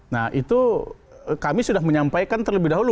nah itu kami sudah menyampaikan terlebih dahulu